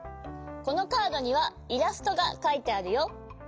このカードにはイラストがかいてあるよ。